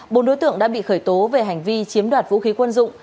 bốn đối tượng đã bị khởi tố về hành vi chiếm đoạt vũ khí quân dụng